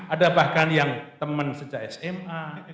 ada bahkan yang teman sejak sma